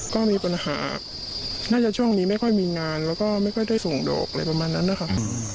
ก็มีปัญหาน่าจะช่วงนี้ไม่ค่อยมีงานแล้วก็ไม่ค่อยได้ส่งดอกอะไรประมาณนั้นนะคะ